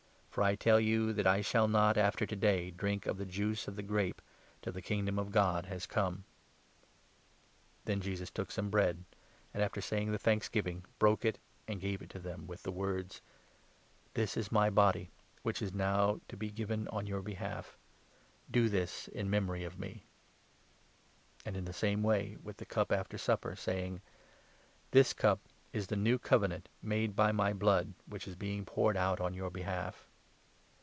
For I tell you that I 18 shall not, after to day, drink of the juice of the grape, till the . Kingdom of God has come." The 'Lord Then Jesus took some bread, and, after saying 19 supper.* the thanksgiving, broke it and gave to them, with the words :" This is my body, [which is now to be given on your behalf. Do this in memory of me." And in the same wav with the cup, after supper, saying : 20 "This cup is the New Covenant made by my blood which is being poured out on your behalf.